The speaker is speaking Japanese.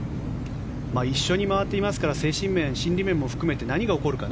一緒に回っていますから精神面、心理面も含めて何が起こるか